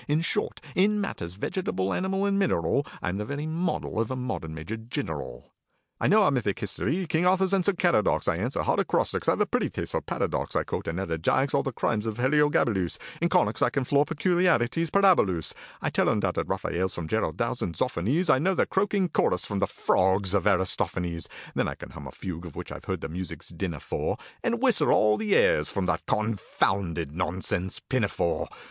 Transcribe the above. In short, in matters vegetable, animal, and mineral, I am the very model of a modern Major Gineral. I know out mythic history KING ARTHUR'S and SIR CARADOC'S, I answer hard acrostics, I've a pretty taste for paradox; I quote in elegaics all the crimes of HELIOGABALUS, In conics I can floor peculiarities parabolous. I tell undoubted RAPHAELS from GERARD DOWS and ZOFFANIES, I know the croaking chorus from the 'Frogs' of ARISTOPHANES; Then I can hum a fugue, of which I've heard the music's din afore, And whistle all the airs from that confounded nonsense 'Pinafore.'